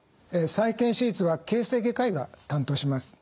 再建手術は形成外科医が担当します。